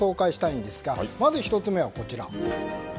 まず１つ目はこちら。